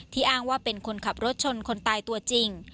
อ้างว่าเป็นคนขับรถชนคนตายตัวจริง